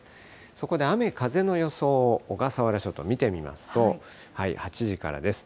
そこで雨、風の予想を小笠原諸島、見てみますと、８時からです。